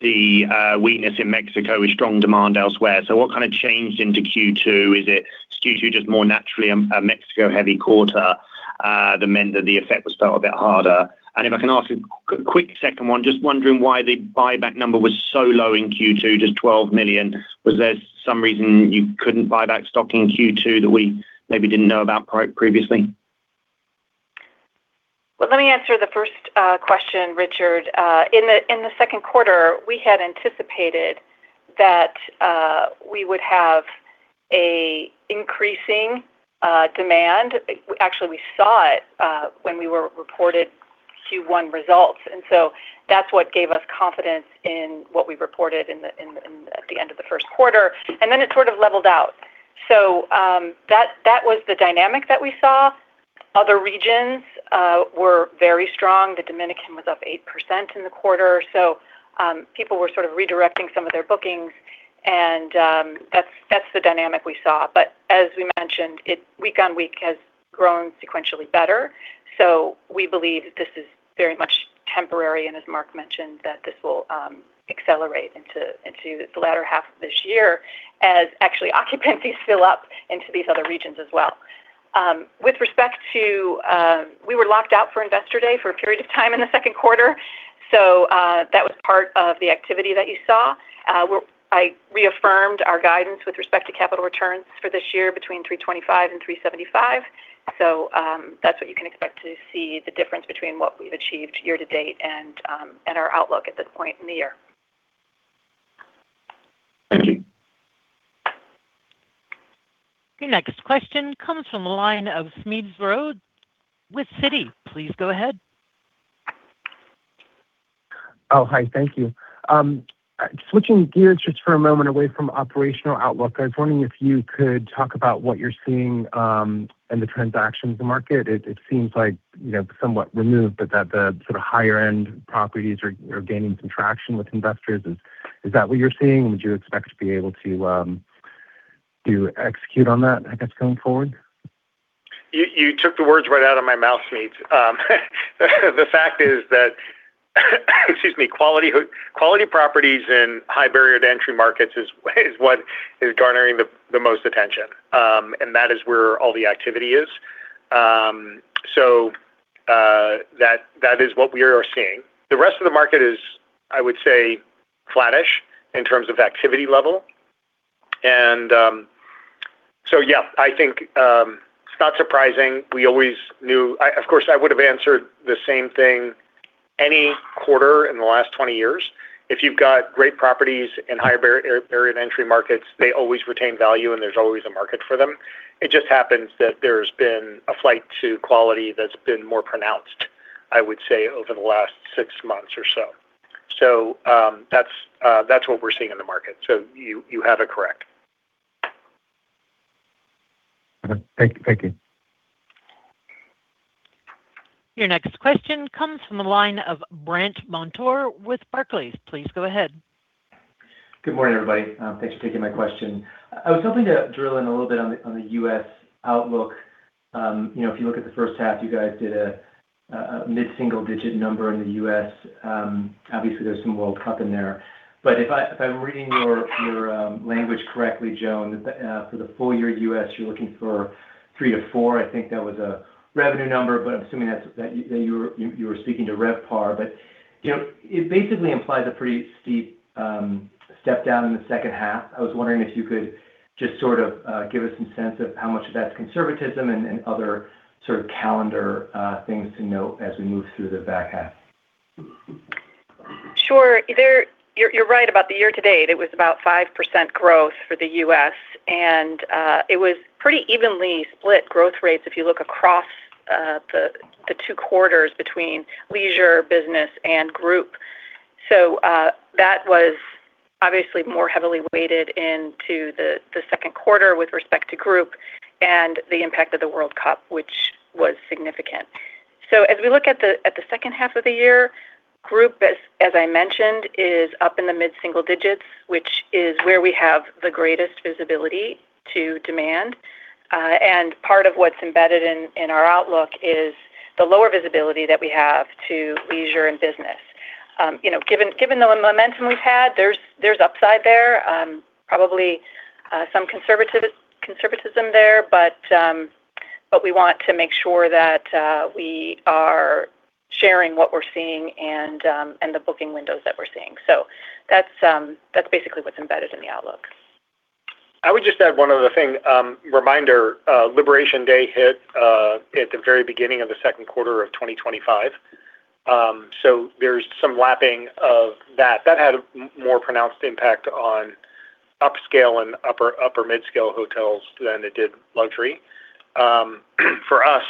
the weakness in Mexico with strong demand elsewhere. What kind of changed into Q2? Is it Q2 just more naturally a Mexico heavy quarter that meant that the effect was felt a bit harder? If I can ask a quick second one, just wondering why the buyback number was so low in Q2, just $12 million. Was there some reason you couldn't buy back stock in Q2 that we maybe didn't know about previously? Let me answer the first question, Richard. In the second quarter, we had anticipated that we would have a increasing demand. Actually, we saw it when we reported Q1 results, that's what gave us confidence in what we reported at the end of the first quarter, then it sort of leveled out. That was the dynamic that we saw. Other regions were very strong. The Dominican was up 8% in the quarter. People were sort of redirecting some of their bookings and that's the dynamic we saw. As we mentioned, week-on-week has grown sequentially better. We believe this is very much temporary, and as Mark mentioned, that this will accelerate into the latter half of this year as actually occupancies fill up into these other regions as well. We were locked out for Investor Day for a period of time in the second quarter, that was part of the activity that you saw. I reaffirmed our guidance with respect to capital returns for this year between $325 million and $375 million. That's what you can expect to see the difference between what we've achieved year-to-date and our outlook at this point in the year. Thank you. Your next question comes from the line of Smedes Rose with Citi. Please go ahead. Oh, hi. Thank you. Switching gears just for a moment away from operational outlook, I was wondering if you could talk about what you're seeing in the transactions market. It seems somewhat removed, but that the sort of higher end properties are gaining some traction with investors. Is that what you're seeing? Would you expect to be able to execute on that, I guess, going forward? You took the words right out of my mouth, Smedes. The fact is that, excuse me, quality properties in high barrier to entry markets is what is garnering the most attention. That is where all the activity is. That is what we are seeing. The rest of the market is, I would say, flattish in terms of activity level. So yeah, I think it's not surprising. We always knew. Of course, I would have answered the same thing any quarter in the last 20 years. If you've got great properties in higher barrier to entry markets, they always retain value and there's always a market for them. It just happens that there's been a flight to quality that's been more pronounced, I would say, over the last six months or so. That's what we're seeing in the market. You have it correct. Okay. Thank you. Your next question comes from the line of Brandt Montour with Barclays. Please go ahead. Good morning, everybody. Thanks for taking my question. I was hoping to drill in a little bit on the U.S. outlook. If you look at the first half, you guys did a mid-single digit number in the U.S. Obviously, there's some World Cup in there. If I'm reading your language correctly, Joan, for the full year U.S., you're looking for 3%-4%. I think that was a revenue number, but I'm assuming that you were speaking to RevPAR, but it basically implies a pretty steep step down in the second half. I was wondering if you could just sort of give us some sense of how much of that's conservatism and other sort of calendar things to note as we move through the back half? Sure. You're right about the year to date. It was about 5% growth for the U.S., and it was pretty evenly split growth rates if you look across the two quarters between leisure, business, and group. That was obviously more heavily weighted into the second quarter with respect to group and the impact of the World Cup, which was significant. As we look at the second half of the year, group, as I mentioned, is up in the mid-single digits, which is where we have the greatest visibility to demand. Part of what's embedded in our outlook is the lower visibility that we have to leisure and business. Given the momentum we've had, there's upside there. Probably some conservatism there, but we want to make sure that we are sharing what we're seeing and the booking windows that we're seeing. That's basically what's embedded in the outlook. I would just add one other thing. Reminder, Liberation Day hit at the very beginning of the second quarter of 2025. There's some lapping of that. That had a more pronounced impact on upscale and upper-midscale hotels than it did luxury. For us,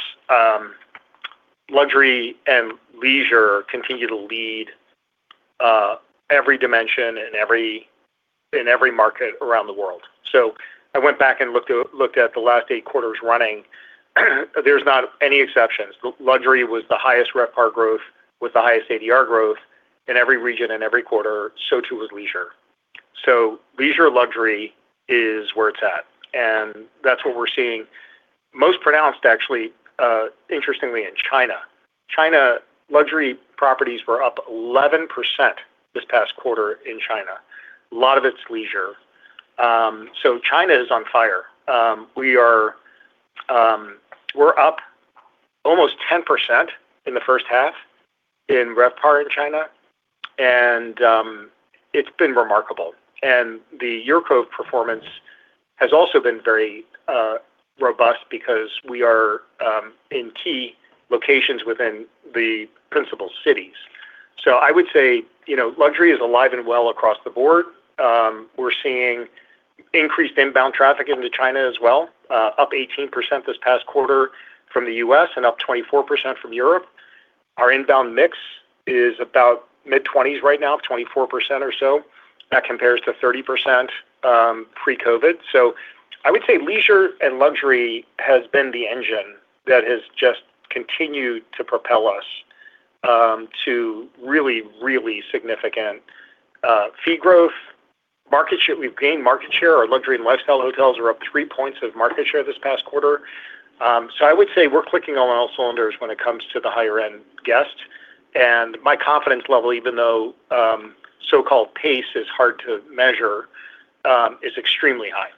luxury and leisure continue to lead every dimension in every market around the world. I went back and looked at the last eight quarters running. There's not any exceptions. Luxury was the highest RevPAR growth with the highest ADR growth in every region and every quarter. Too was leisure. Leisure luxury is where it's at, and that's what we're seeing most pronounced, actually, interestingly, in China. China luxury properties were up 11% this past quarter in China. A lot of it's leisure. China is on fire. We're up almost 10% in the first half in RevPAR in China, and it's been remarkable. The UrCove performance has also been very robust because we are in key locations within the principal cities. I would say, luxury is alive and well across the board. We're seeing increased inbound traffic into China as well, up 18% this past quarter from the U.S. and up 24% from Europe. Our inbound mix is about mid 20s right now, 24% or so. That compares to 30% pre-COVID. I would say leisure and luxury has been the engine that has just continued to propel us to really, really significant fee growth. We've gained market share. Our luxury and lifestyle hotels are up 3 points of market share this past quarter. I would say we're clicking on all cylinders when it comes to the higher-end guest. My confidence level, even though so-called pace is hard to measure, is extremely high.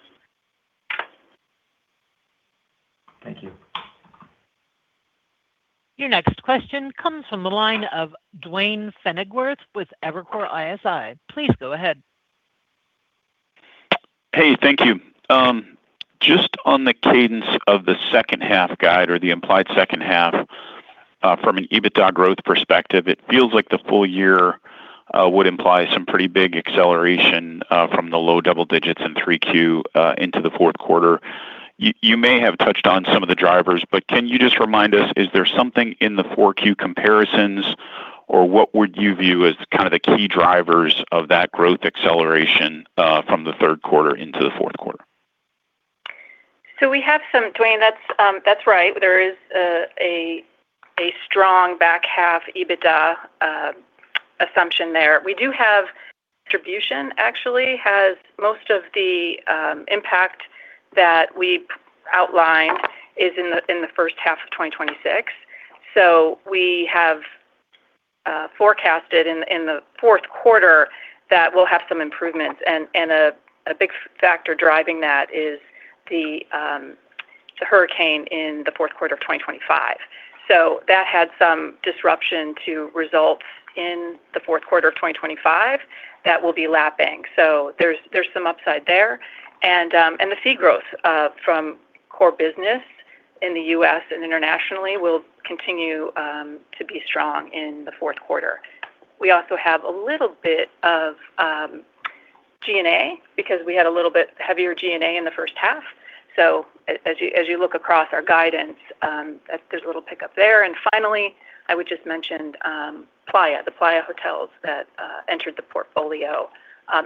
Thank you. Your next question comes from the line of Duane Pfennigwerth with Evercore ISI. Please go ahead. Hey, thank you. Just on the cadence of the second half guide or the implied second half. From an EBITDA growth perspective, it feels like the full year would imply some pretty big acceleration from the low double digits in Q3 into the four Q. You may have touched on some of the drivers, but can you just remind us, is there something in the four Q comparisons, or what would you view as kind of the key drivers of that growth acceleration from the third quarter into the fourth quarter? Duane, that's right. There is a strong back half EBITDA assumption there. We do have distribution, actually, has most of the impact that we outlined is in the first half of 2026. We have forecasted in the fourth quarter that we'll have some improvements, and a big factor driving that is the hurricane in the fourth quarter of 2025. That had some disruption to results in the fourth quarter of 2025 that we'll be lapping. There's some upside there. The fee growth from core business in the U.S. and internationally will continue to be strong in the fourth quarter. We also have a little bit of G&A, because we had a little bit heavier G&A in the first half. As you look across our guidance, there's a little pick up there. Finally, I would just mention Playa. The Playa Hotels that entered the portfolio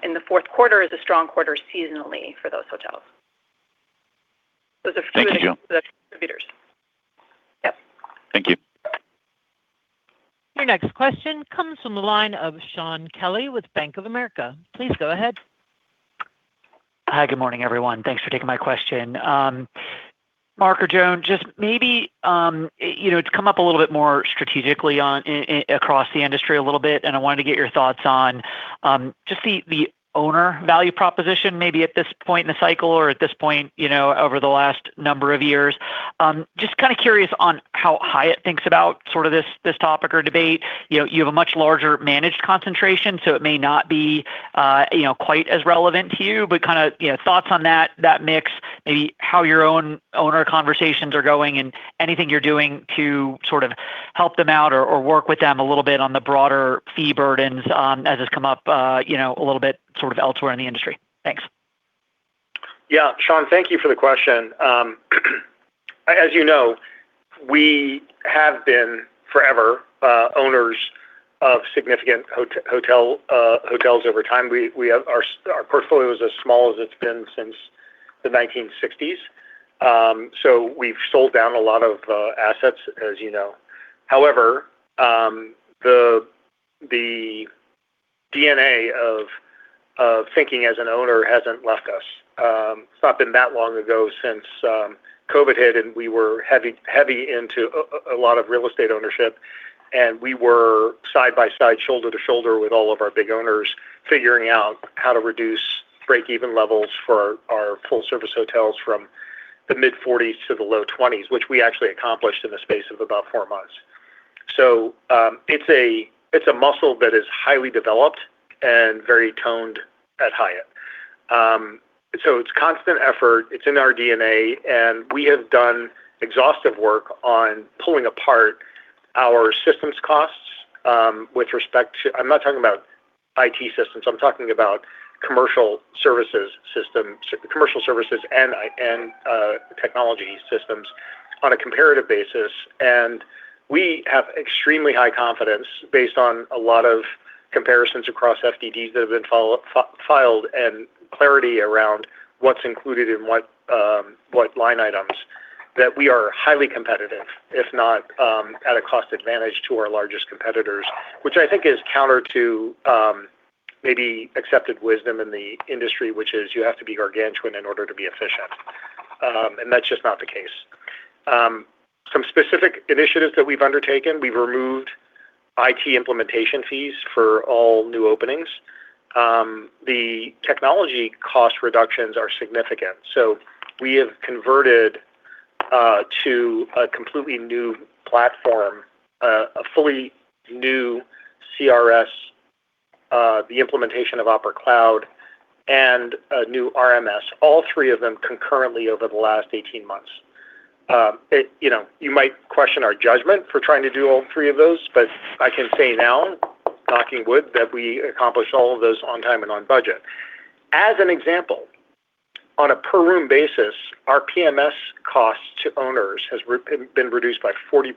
in the fourth quarter is a strong quarter seasonally for those hotels. Thank you, Joan. Those are three contributors. Yep. Thank you. Your next question comes from the line of Shaun Kelley with Bank of America. Please go ahead. Hi, good morning, everyone. Thanks for taking my question. Mark or Joan, it's come up a little bit more strategically across the industry a little bit, I wanted to get your thoughts on just the owner value proposition, maybe at this point in the cycle or at this point over the last number of years. Just curious on how Hyatt thinks about this topic or debate. You have a much larger managed concentration, so it may not be quite as relevant to you, but thoughts on that mix, maybe how your own owner conversations are going, anything you're doing to sort of help them out or work with them a little bit on the broader fee burdens as has come up a little bit elsewhere in the industry. Thanks. Yeah. Shaun, thank you for the question. As you know, we have been, forever, owners of significant hotels over time. Our portfolio is as small as it's been since the 1960s. We've sold down a lot of assets, as you know. However, the DNA of thinking as an owner hasn't left us. It's not been that long ago since COVID hit, we were heavy into a lot of real estate ownership, we were side by side, shoulder to shoulder with all of our big owners, figuring out how to reduce break-even levels for our full service hotels from the mid 40s to the low 20s, which we actually accomplished in the space of about four months. It's a muscle that is highly developed and very toned at Hyatt. It's constant effort, it's in our DNA, we have done exhaustive work on pulling apart our systems costs with respect to. I'm not talking about IT systems. I'm talking about commercial services and technology systems on a comparative basis. We have extremely high confidence based on a lot of comparisons across FDDs that have been filed and clarity around what's included and what line items that we are highly competitive, if not at a cost advantage to our largest competitors, which I think is counter to maybe accepted wisdom in the industry, which is you have to be gargantuan in order to be efficient. That's just not the case. Some specific initiatives that we've undertaken, we've removed IT implementation fees for all new openings. The technology cost reductions are significant. We have converted to a completely new platform, a fully new CRS, the implementation of OPERA Cloud, and a new RMS, all three of them concurrently over the last 18 months. You might question our judgment for trying to do all three of those, but I can say now, knocking wood, that we accomplished all of those on time and on budget. As an example, on a per room basis, our PMS cost to owners has been reduced by 40%.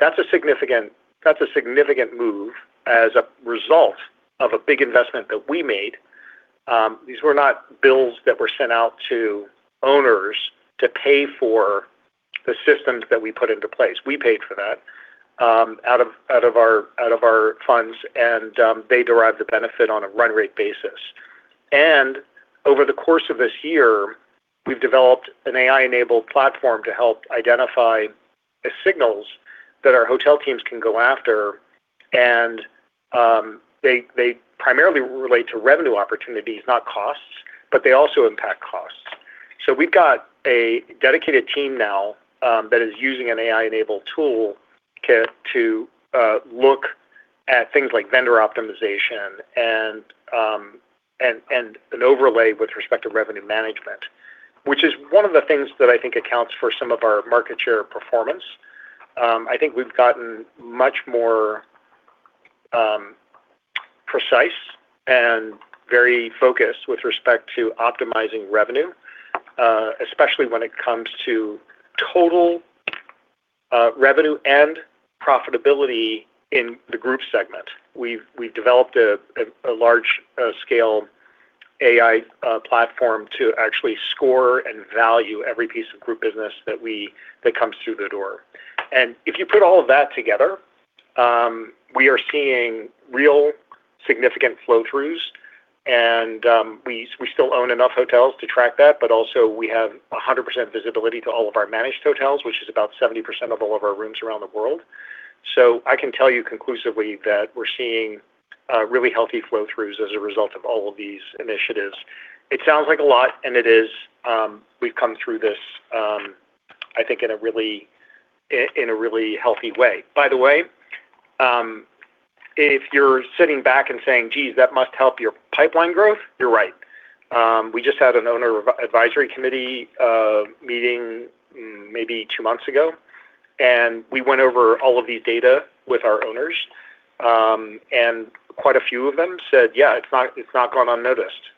That's a significant move as a result of a big investment that we made. These were not bills that were sent out to owners to pay for the systems that we put into place. We paid for that out of our funds, and they derive the benefit on a run rate basis. Over the course of this year, we've developed an AI-enabled platform to help identify the signals that our hotel teams can go after. They primarily relate to revenue opportunities, not costs, but they also impact costs. We've got a dedicated team now that is using an AI-enabled tool kit to look at things like vendor optimization and an overlay with respect to revenue management, which is one of the things that I think accounts for some of our market share performance. I think we've gotten much more precise and very focused with respect to optimizing revenue, especially when it comes to total revenue and profitability in the group segment. We've developed a large scale AI platform to actually score and value every piece of group business that comes through the door. If you put all of that together, we are seeing real significant flow throughs, and we still own enough hotels to track that. But also we have 100% visibility to all of our managed hotels, which is about 70% of all of our rooms around the world. I can tell you conclusively that we're seeing really healthy flow throughs as a result of all of these initiatives. It sounds like a lot, and it is. We've come through this, I think in a really healthy way. By the way, if you're sitting back and saying, "Geez, that must help your pipeline growth," you're right. We just had an owner advisory committee meeting maybe two months ago, and we went over all of these data with our owners. Quite a few of them said, "Yeah, it's not gone unnoticed."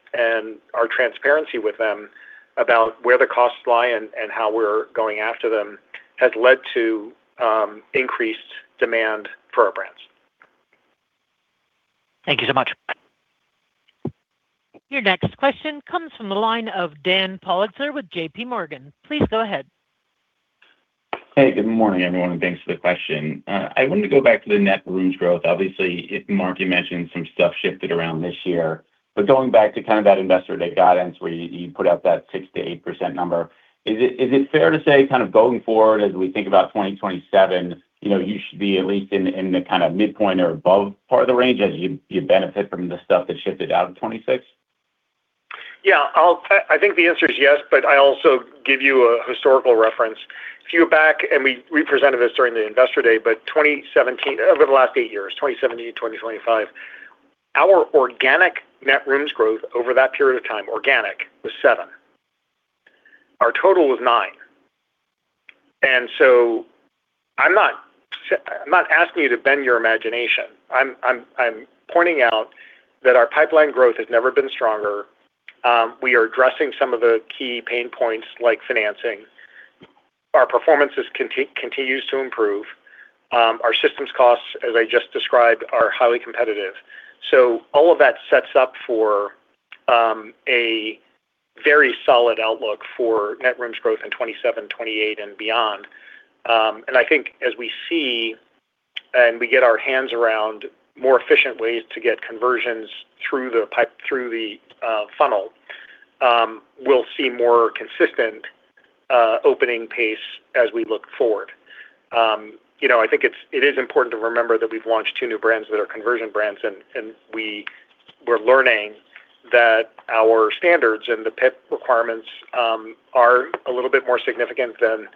Our transparency with them about where the costs lie and how we're going after them has led to increased demand for our brands. Thank you so much. Your next question comes from the line of Dan Politzer with JPMorgan. Please go ahead. Hey, good morning, everyone, and thanks for the question. I wanted to go back to the Net Rooms Growth. Obviously, Mark, you mentioned some stuff shifted around this year. Going back to that Investor Day guidance where you put out that 6%-8% number, is it fair to say, going forward, as we think about 2027, you should be at least in the midpoint or above part of the range as you benefit from the stuff that shifted out in 2026. Yeah, I think the answer is yes. I also give you a historical reference. If you go back, and we presented this during the Investor Day, over the last eight years, 2017-2025, our organic Net Rooms Growth over that period of time, organic, was seven. Our total was nine. I'm not asking you to bend your imagination. I'm pointing out that our pipeline growth has never been stronger. We are addressing some of the key pain points like financing. Our performance continues to improve. Our systems costs, as I just described, are highly competitive. All of that sets up for a very solid outlook for Net Rooms Growth in 2027, 2028, and beyond. I think as we see and we get our hands around more efficient ways to get conversions through the funnel, we'll see more consistent opening pace as we look forward. I think it is important to remember that we've launched two new brands that are conversion brands, and we're learning that our standards and the PIP requirements are a little bit more significant than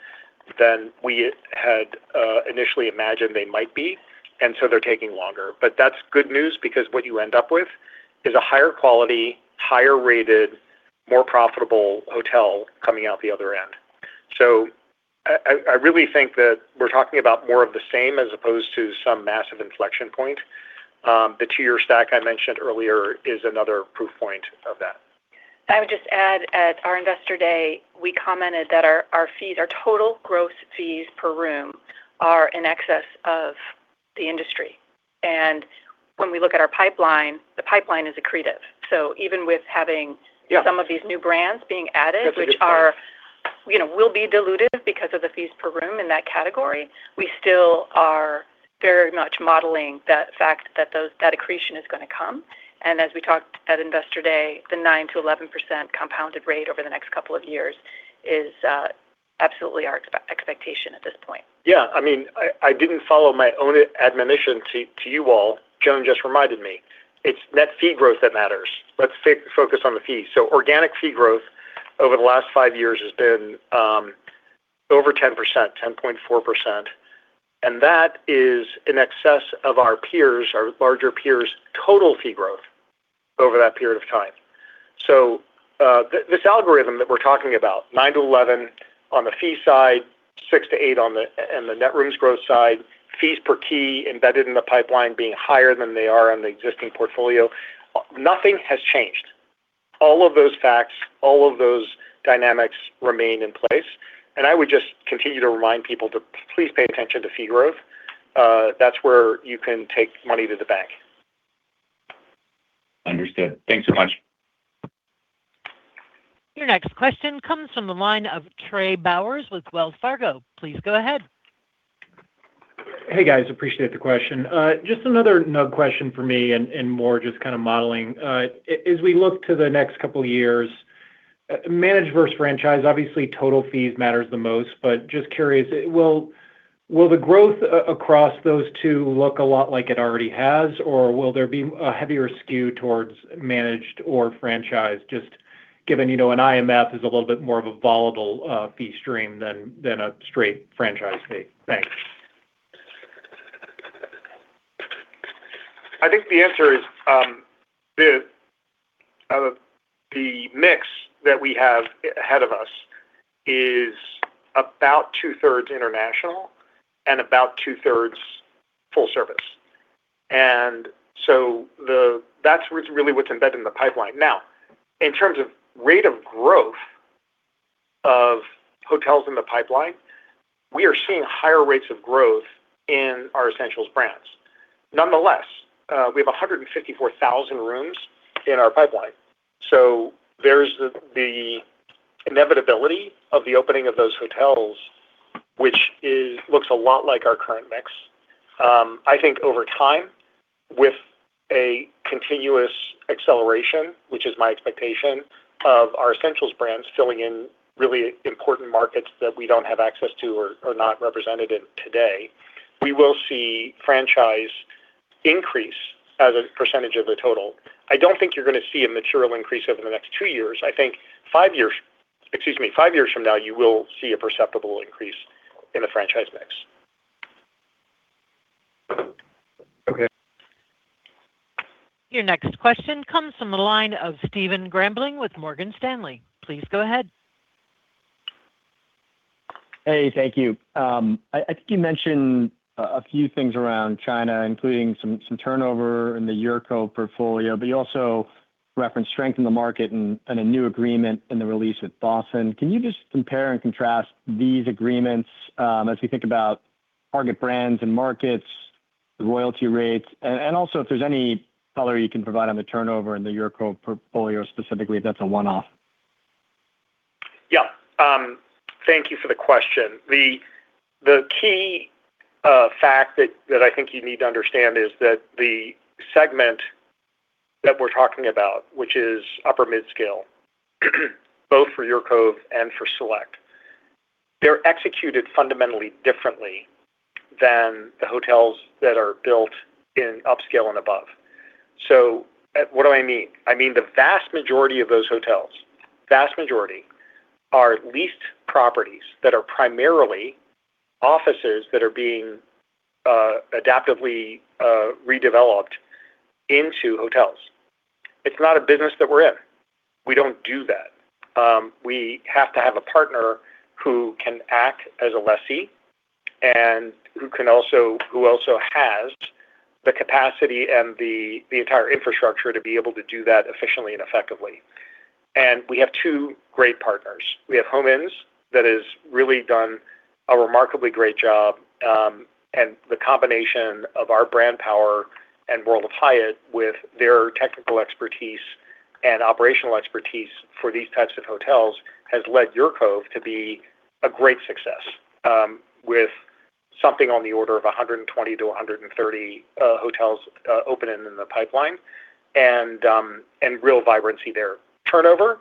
we had initially imagined they might be, and so they're taking longer. That's good news because what you end up with is a higher quality, higher rated, more profitable hotel coming out the other end. I really think that we're talking about more of the same as opposed to some massive inflection point. The two-year stack I mentioned earlier is another proof point of that. I would just add, at our Investor Day, we commented that our total gross fees per room are in excess of the industry. When we look at our pipeline, the pipeline is accretive. Even with having- Yeah some of these new brands being added- That's a good point which will be diluted because of the fees per room in that category, we still are very much modeling the fact that accretion is going to come. As we talked at Investor Day, the 9%-11% compounded rate over the next couple of years is absolutely our expectation at this point. Yeah. I didn't follow my own admonition to you all. Joan just reminded me. It's net fee growth that matters. Let's focus on the fees. Organic fee growth over the last five years has been over 10%, 10.4%. That is in excess of our peers, our larger peers' total fee growth over that period of time. This algorithm that we're talking about, 9%-11% on the fee side, 6%-8% on the Net Rooms Growth side, fees per key embedded in the pipeline being higher than they are on the existing portfolio, nothing has changed. All of those facts, all of those dynamics remain in place. I would just continue to remind people to please pay attention to fee growth. That's where you can take money to the bank. Understood. Thanks so much. Your next question comes from the line of Trey Bowers with Wells Fargo. Please go ahead. Hey, guys. Appreciate the question. Just another NRG question from me and more just kind of modeling. As we look to the next couple of years, managed versus franchise, obviously total fees matters the most. Just curious, will the growth across those two look a lot like it already has, or will there be a heavier skew towards managed or franchise, just given an IMF is a little bit more of a volatile fee stream than a straight franchise fee? Thanks. I think the answer is the mix that we have ahead of us is about 2/3 international and about 2/3 full service. That's really what's embedded in the pipeline. Now, in terms of rate of growth of hotels in the pipeline, we are seeing higher rates of growth in our Essentials brands. Nonetheless, we have 154,000 rooms in our pipeline. There's the inevitability of the opening of those hotels, which looks a lot like our current mix. I think over time, with a continuous acceleration, which is my expectation, of our Essentials brands filling in really important markets that we don't have access to or are not represented in today, we will see franchise increase as a percentage of the total. I don't think you're going to see a material increase over the next two years. I think five years from now, you will see a perceptible increase in the franchise mix. Your next question comes from the line of Stephen Grambling with Morgan Stanley. Please go ahead. Thank you. I think you mentioned a few things around China, including some turnover in the UrCove portfolio, but you also referenced strength in the market and a new agreement in the release with Dossen. Can you just compare and contrast these agreements as we think about target brands and markets, the royalty rates, and also if there's any color you can provide on the turnover in the UrCove portfolio, specifically if that's a one-off? Thank you for the question. The key fact that I think you need to understand is that the segment that we're talking about, which is upper mid-scale, both for UrCove and for Select, they're executed fundamentally differently than the hotels that are built in upscale and above. What do I mean? I mean, the vast majority of those hotels, vast majority, are leased properties that are primarily offices that are being adaptively redeveloped into hotels. It's not a business that we're in. We don't do that. We have to have a partner who can act as a lessee and who also has the capacity and the entire infrastructure to be able to do that efficiently and effectively. We have two great partners. We have Home Inns, that has really done a remarkably great job. The combination of our brand power and World of Hyatt with their technical expertise and operational expertise for these types of hotels has led UrCove to be a great success, with something on the order of 120-130 hotels open and in the pipeline, and real vibrancy there. Turnover,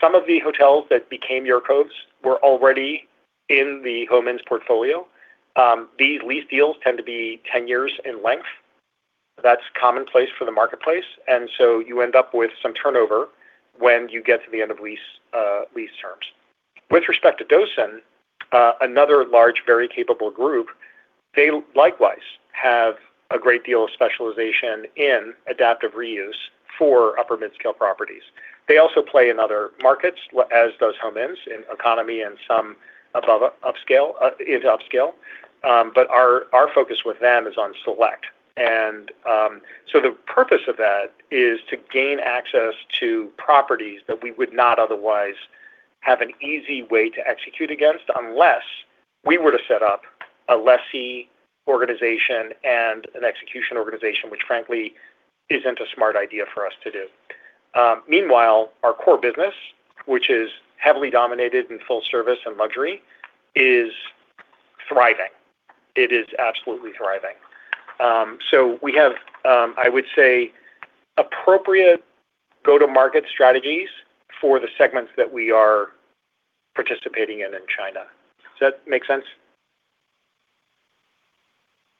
some of the hotels that became UrCoves were already in the Home Inns portfolio. These lease deals tend to be 10 years in length. That's commonplace for the marketplace, and so you end up with some turnover when you get to the end of lease terms. With respect to Dossen, another large, very capable group, they likewise have a great deal of specialization in adaptive reuse for upper mid-scale properties. They also play in other markets, as does Home Inns, in economy and some into upscale. But our focus with them is on Select. The purpose of that is to gain access to properties that we would not otherwise have an easy way to execute against, unless we were to set up a lessee organization and an execution organization, which frankly isn't a smart idea for us to do. Meanwhile, our core business, which is heavily dominated in full service and luxury, is thriving. It is absolutely thriving. We have, I would say, appropriate go-to-market strategies for the segments that we are participating in in China. Does that make sense?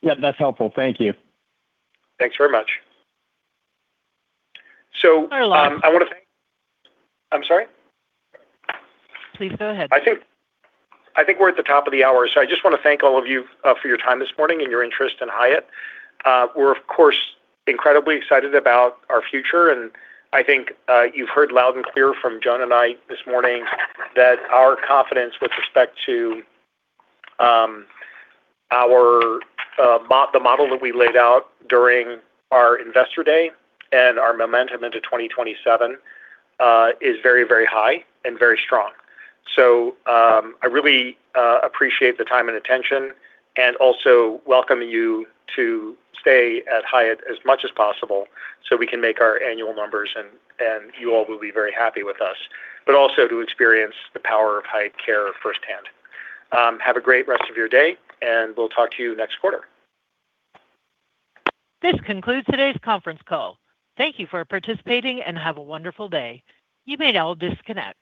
Yeah, that's helpful. Thank you. Thanks very much. I'm sorry? Please go ahead. I think we're at the top of the hour, I just want to thank all of you for your time this morning and your interest in Hyatt. We're, of course, incredibly excited about our future, and I think you've heard loud and clear from Joan and I this morning that our confidence with respect to the model that we laid out during our Investor Day and our momentum into 2027 is very, very high and very strong. I really appreciate the time and attention, and also welcome you to stay at Hyatt as much as possible so we can make our annual numbers and you all will be very happy with us, but also to experience the power of Hyatt care firsthand. Have a great rest of your day, and we'll talk to you next quarter. This concludes today's conference call. Thank you for participating, and have a wonderful day. You may now disconnect.